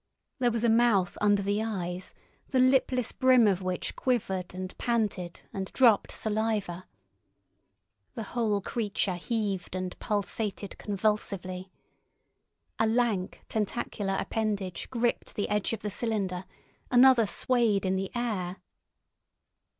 There was a mouth under the eyes, the lipless brim of which quivered and panted, and dropped saliva. The whole creature heaved and pulsated convulsively. A lank tentacular appendage gripped the edge of the cylinder, another swayed in the air.